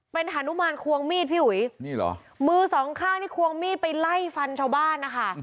เป็นฮานุมานควงมีดพี่อุ๋ยนี่เหรอมือสองข้างนี่ควงมีดไปไล่ฟันชาวบ้านนะคะ